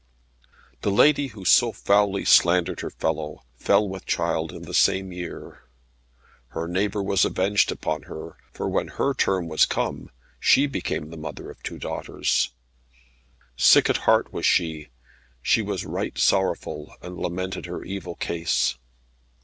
The lady, who so foully slandered her fellow, fell with child in the same year. Her neighbour was avenged upon her, for when her term was come, she became the mother of two daughters. Sick at heart was she. She was right sorrowful, and lamented her evil case.